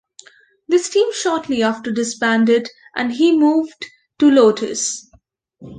This team shortly after disbanded, and he moved to Lotus.